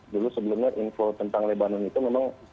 dulu sebelumnya info tentang lebanon itu memang